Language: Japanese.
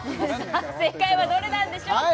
正解はどれなんでしょうか